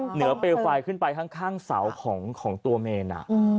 เหนือเปลวไฟขึ้นไปข้างเสาของตัวเมน